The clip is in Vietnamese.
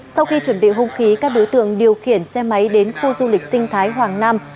sau khi chuẩn bị hung khí các đối tượng điều khiển xe máy đến khu du lịch sinh thái hoàng nam